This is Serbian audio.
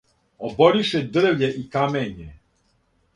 Оборише дрвље и камење,